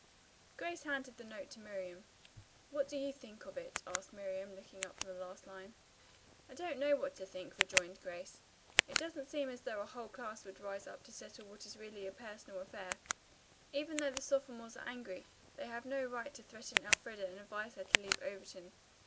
Grace handed the note to Miriam. "What do you think of it?" asked Miriam, looking up from the last line. "I don't know what to think," rejoined Grace. "It doesn't seem as though a whole class would rise up to settle what is really a personal affair. Even though the sophomores are angry, they have no right to threaten Elfreda and advise her to leave Overton.